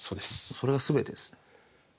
それが全てですね。